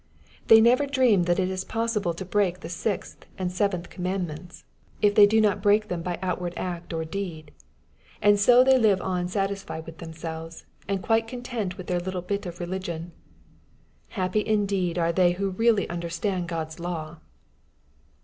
They never dream that it is possible to break the sixth and 42 EXPOSITORY THOnaHTS. Beyenth commandments, if they do not break them by outward act or deed. And so they live on satisfied with themselves, and qoite content with their little bit of religion. Happy indeed are they who really understand God's law